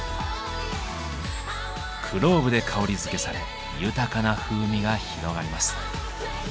クローブで香りづけされ豊かな風味が広がります。